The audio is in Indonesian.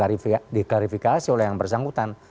yang tentu saja ini harus diklarifikasi oleh yang bersangkutan